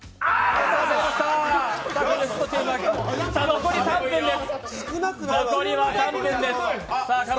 残り３分です。